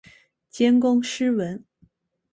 兼工诗文。